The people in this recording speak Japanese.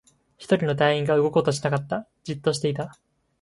一人の隊員が動こうとしなかった。じっとしていた。